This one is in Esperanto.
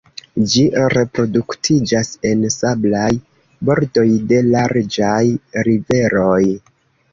Ĝi reproduktiĝas en sablaj bordoj de larĝaj riveroj.